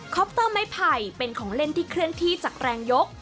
ปเตอร์ไม้ไผ่เป็นของเล่นที่เคลื่อนที่จากแรงยก